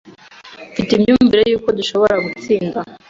Mfite imyumvire yuko dushobora gutsinda.